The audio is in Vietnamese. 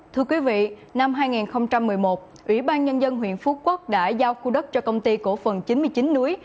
thưa quý vị năm hai nghìn một mươi một ủy ban nhân dân huyện phú quốc đã giao khu đất cho công ty cổ phần chín mươi chín núi